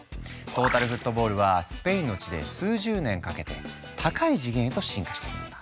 トータルフットボールはスペインの地で数十年かけて高い次元へと進化していくんだ。